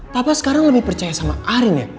papa sekarang lebih percaya sama arin ya